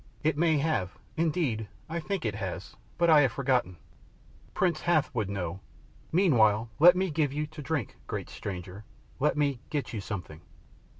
"It may have; indeed I think it has, but I have forgotten. Prince Hath would know! Meanwhile let me give you to drink, great stranger, let me get you something."